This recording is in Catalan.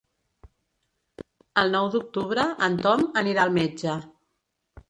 El nou d'octubre en Tom anirà al metge.